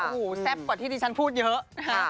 โอ้โหแซ่บกว่าที่ดิฉันพูดเยอะนะฮะ